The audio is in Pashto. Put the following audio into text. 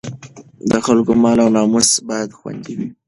د خلکو مال او ناموس باید خوندي وي.